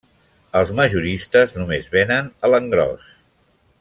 Els majoristes només venen a l'engròs.